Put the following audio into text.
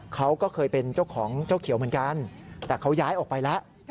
เขาก็เคยเป็นเจ้าของเจ้าเขียวเหมือนกันแต่เขาย้ายออกไปแล้ว